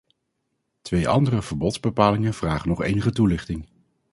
Twee andere verbodsbepalingen vragen nog enige toelichting.